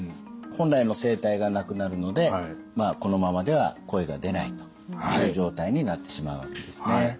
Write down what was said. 本来の声帯がなくなるのでこのままでは声が出ないという状態になってしまうわけですね。